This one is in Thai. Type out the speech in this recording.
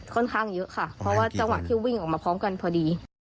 ค่อนข้างเยอะค่ะเพราะว่าจังหวะที่วิ่งออกมาพร้อมกันพอดี